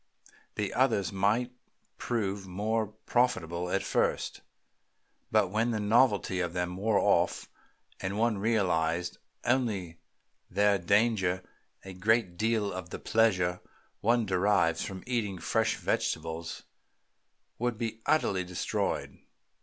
The others might prove more profitable at first, but when the novelty of them wore off, and one realized only their danger, a great deal of the pleasure one derives from eating fresh vegetables would be utterly destroyed."